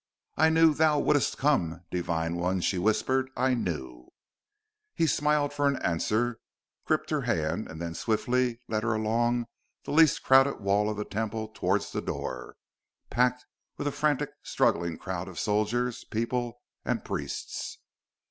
"I knew thou wouldst come, Divine One!" she whispered. "I knew!" He smiled for answer, gripped her hand, and then swiftly led her along the least crowded wall of the Temple towards the door, packed with a frantic, struggling crowd of soldiers, people and priests.